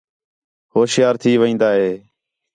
ہوشیار تھی وین٘دا ہِے